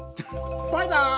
バイバイ！